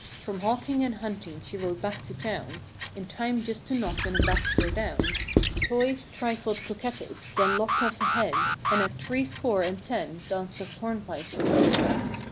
From hawking and hunting she rode back to town, In time just to knock an ambassador down; Toy'd, trifled, coquetted, then lopped off a head; And at threescore and ten danced a hornpipe to bed.